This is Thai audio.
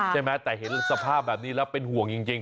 ใช่ไหมแต่เห็นสภาพแบบนี้แล้วเป็นห่วงจริง